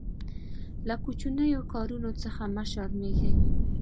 له کوچنیو کارونو څخه مه شرمېږه.